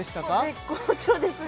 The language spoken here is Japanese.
絶好調ですね